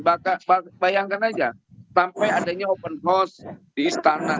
bayangkan aja sampai adanya open house di istana